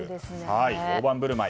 大盤振る舞い。